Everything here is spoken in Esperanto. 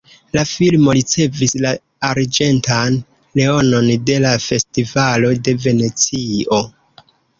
La filmo ricevis la arĝentan leonon de la festivalo de Venecio.